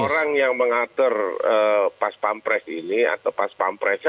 orang yang mengatur paspapres ini atau paspapresnya